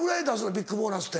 ビッグボーナスって。